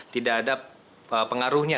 tidak ada pengaruhnya